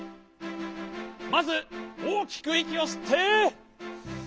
まずおおきくいきをすって。